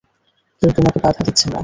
কেউ তোমাকে বাধা দিচ্ছে না।